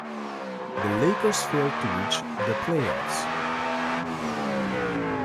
The Lakers failed to reach the playoffs.